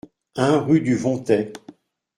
un rue du Vontay